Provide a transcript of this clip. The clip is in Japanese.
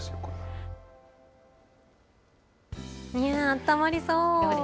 あったまりそう。